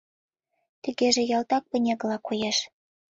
Тыгеже ялтак пинегыла коеш.